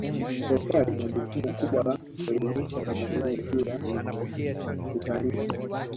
serikali ina jukumu kubwa la kuelimisha watanzania juu ya utalii